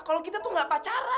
kalau kita tuh gak pacara